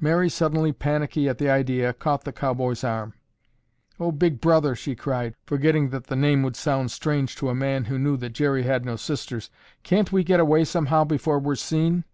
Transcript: Mary, suddenly panicky at the idea, caught the cowboy's arm. "Oh, Big Brother," she cried, forgetting that the name would sound strange to a man who knew that Jerry had no sisters, "can't we get away somehow before we're seen?"